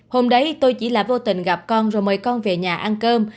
hôm đấy tôi chỉ là vô tình gặp con rồi mời con về nhà ăn cơm